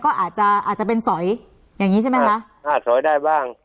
ก็อาจจะอาจจะเป็นสอยอย่างงี้ใช่ไหมคะอ่าสอยได้บ้าง